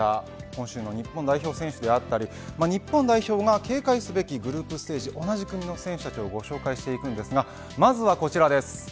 今週の日本選手だったり日本代表が警戒すべきグループステージ同じ組の選手たちをご紹介していくんですがまずはこちらです。